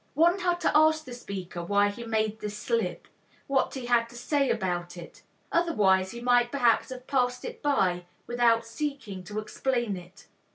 One had to ask the speaker why he made this slip, what he had to say about it. Otherwise he might perhaps have passed it by without seeking to explain it.